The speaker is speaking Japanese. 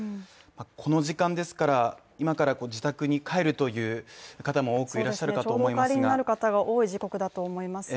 この時間ですから今から自宅に帰るという方もいらっしゃると思います。